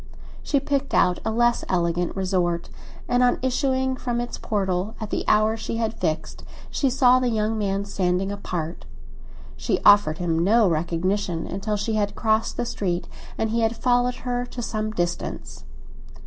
She picked out a less elegant resort, and on issuing from its portal at the hour she had fixed she saw the young man standing apart. She offered him no recognition till she had crossed the street and he had followed her to some distance.